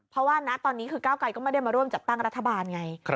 เพราะว่าณตอนนี้คือก้าวไกรก็ไม่ได้มาร่วมจัดตั้งรัฐบาลไง